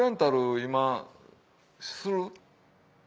今する？